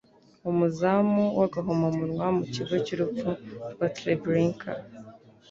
umuzamu w'agahomamunwa mu kigo cy'urupfu rwa Treblinka